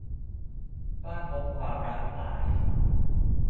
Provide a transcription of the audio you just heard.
บ้างพบความรักหลาย